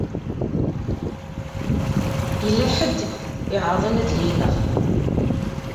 Yella ḥedd i iɛeṛḍen ad yi-ineɣ.